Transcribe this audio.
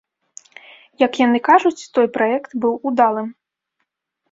Як яны кажуць, той праект быў удалым.